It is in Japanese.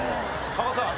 加賀さん